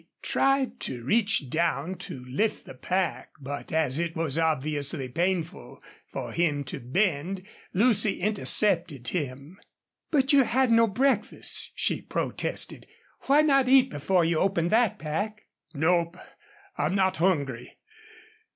He tried to reach down to lift the pack, but as it was obviously painful for him to bend, Lucy intercepted him. "But you've had no breakfast," she protested. "Why not eat before you open that pack?" "Nope. I'm not hungry....